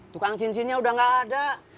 tukang cincinnya udah gak ada